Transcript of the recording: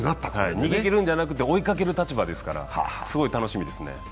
逃げるんじゃなくて追いかける立場ですからすごい楽しみですね。